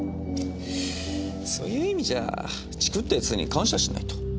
そういう意味じゃチクった奴に感謝しないと。